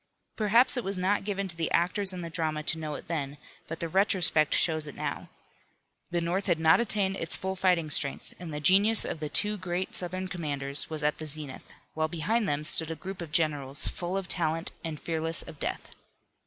Perhaps it was not given to the actors in the drama to know it then, but the retrospect shows it now. The North had not attained its full fighting strength, and the genius of the two great Southern commanders was at the zenith, while behind them stood a group of generals, full of talent and fearless of death.